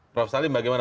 prof salim bagaimana